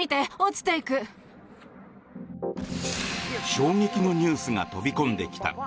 衝撃のニュースが飛び込んできた。